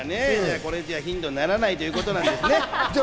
これじゃあヒントにならないということなんですね。